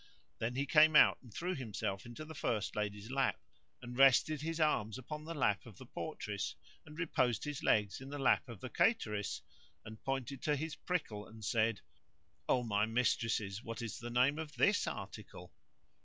Then he came out and threw himself into the first lady's lap and rested his arms upon the lap of the portress, and reposed his legs in the lap of the cateress and pointed to his prickle[FN#163] and said, "O my mistresses, what is the name of this article?"